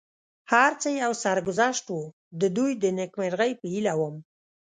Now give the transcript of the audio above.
هر څه یو سرګذشت و، د دوی د نېکمرغۍ په هیله ووم.